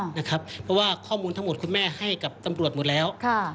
เพราะว่าข้อมูลทั้งหมดคุณแม่ให้กับตำรวจหมดแล้ว